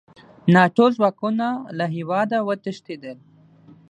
ناټو ځواکونه له هېواده وتښتېدل.